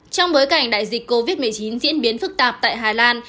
trong bối cảnh đại dịch covid một mươi chín diễn biến phức tạp tại hà lan